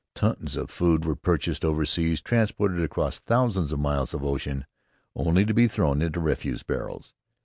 Tons of food were purchased overseas, transported across thousands of miles of ocean, only to be thrown into refuse barrels.